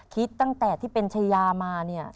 คิดตั้งแต่ที่เป็นชายามาเนี่ย